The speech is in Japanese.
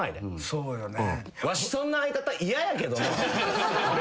そうよね。